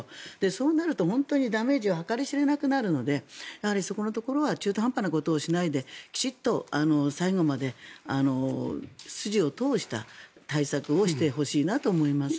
そうなると本当にダメージは計り知れなくなるのでそこのところは中途半端なことをしないできちんと最後まで筋を通した対策をしてほしいなと思います。